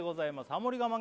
ハモリ我慢